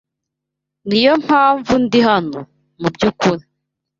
Niyo mpamvu ndi hano, mubyukuri.